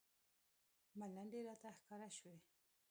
ملنډې راته ښکاره شوې.